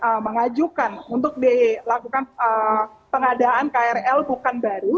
yang mengajukan untuk dilakukan pengadaan krl bukan baru